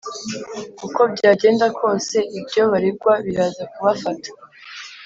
Uko byagenda kose ibyo baregwa biraza kubafata